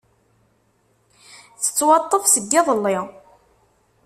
Tettwaṭṭef seg iḍelli.